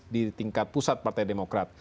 di tingkat pusat partai demokrat